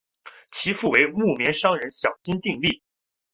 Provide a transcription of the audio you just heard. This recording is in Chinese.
其父为木棉商人小津定利。